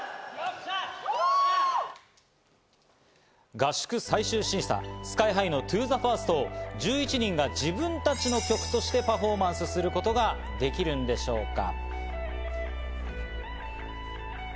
合宿最終審査、ＳＫＹ−ＨＩの『ＴｏＴｈｅＦｉｒｓｔ』を１１人が自分たちの曲としてパフォーマンスすることができるんでしょうか。